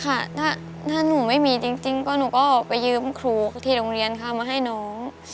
ค่ะถ้าหนูไม่มีจริงก็หนูก็ไปยืมครูที่โรงเรียนค่ะมาให้น้อง